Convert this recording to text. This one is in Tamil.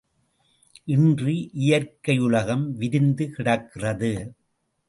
இன்று இயற்கை உலகம் விரிந்து கிடக்கிறது.